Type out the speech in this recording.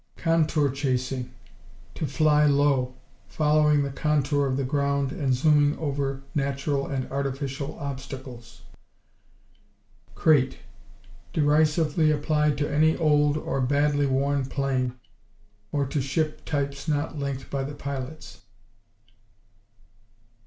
Contour chasing To fly low, following the contour of the ground and zooming over natural and artificial obstacles. Crate Derisively applied to any old, or badly worn plane, or to ship types not liked by the pilots.